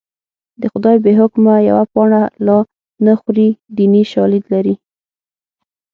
د خدای بې حکمه یوه پاڼه لا نه خوري دیني شالید لري